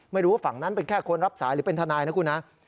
ไม่รู้ว่าฝั่งนั้นเป็นแค่คนรับสายหรือเป็นทนายนะคุณฮะ